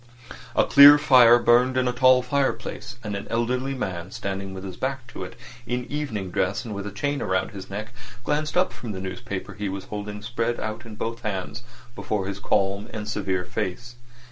A clear fire burned in a tall fireplace, and an elderly man standing with his back to it, in evening dress and with a chain round his neck, glanced up from the newspaper he was holding spread out in both hands before his calm and severe face.